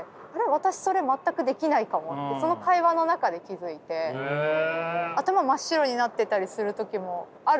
私それ全くできないかもってその会話の中で気付いて頭真っ白になってたりする時もあるなと思って。